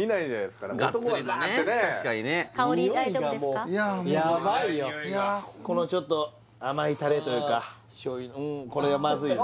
いやもうこのちょっと甘いタレというか醤油のうんこれはまずいよね